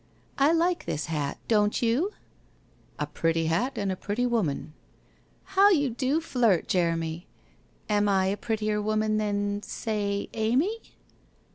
... I like this hat, don't you ?'' A pretty hat and a pretty woman.' * How you do flirt, Jeremy! Am I a prettier woman than — say — Amy?